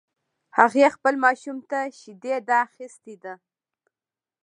هغې خپل ماشوم ته شیدي ده اخیستی ده